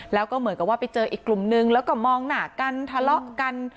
แล้วก็เหมือนกับว่าไปเจออีกกลุ่มนึงแล้วก็มองหน้ากันทะเลาะกัน